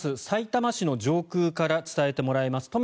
さいたま市の上空から伝えてもらいます。